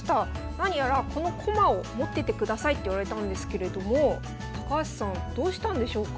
何やらこの駒を持っててくださいって言われたんですけれども高橋さんどうしたんでしょうか？